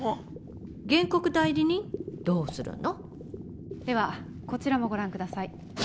原告代理人どうするの？ではこちらもご覧ください。